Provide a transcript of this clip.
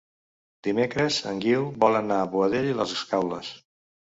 Dimecres en Guiu vol anar a Boadella i les Escaules.